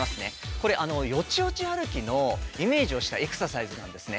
これ、よちよち歩きのイメージをしたエクササイズなんですね。